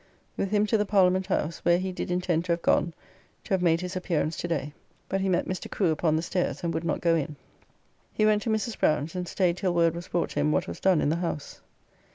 With him to the Parliament House, where he did intend to have gone to have made his appearance to day, but he met Mr. Crew upon the stairs, and would not go in. He went to Mrs. Brown's, and staid till word was brought him what was done in the House.